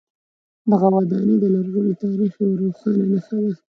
دغه ودانۍ د لرغوني تاریخ یوه روښانه نښه ده.